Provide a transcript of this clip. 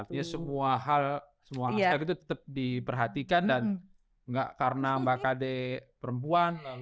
artinya semua hal semua aspek itu tetap diperhatikan dan nggak karena mbak kd perempuan